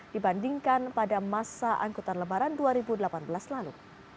dibandingkan pada masa angkutan lebaran dua ribu delapan belas lalu